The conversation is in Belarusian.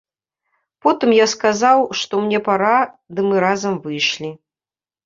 Потым я сказаў, што мне пара, ды мы разам выйшлі.